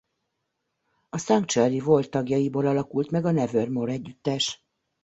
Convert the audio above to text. A Sanctuary volt tagjaiból alakult meg a Nevermore együttes.